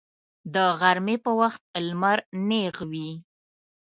د غرمې په وخت لمر نیغ وي